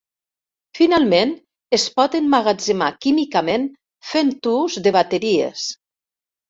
Finalment, es pot emmagatzemar químicament fent ús de bateries.